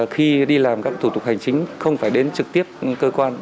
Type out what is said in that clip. khi đi làm các thủ tục hành chính không phải đến trực tiếp cơ quan